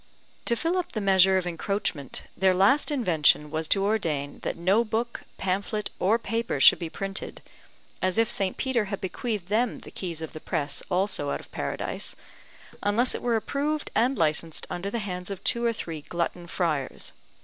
To fill up the measure of encroachment, their last invention was to ordain that no book, pamphlet, or paper should be printed (as if St. Peter had bequeathed them the keys of the press also out of Paradise) unless it were approved and licensed under the hands of two or three glutton friars.